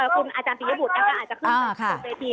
คุณอาจารย์ปริยบุตรก็อาจจะขึ้นไปพื้นเวที